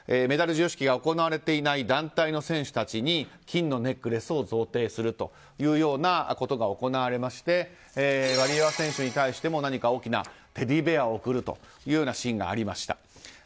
メダル授与式が行われていない団体の選手たちに金のネックレスを贈呈するというようなことが行われましてワリエワ選手に対しても何か大きなテディベアを贈るというシーンがありました。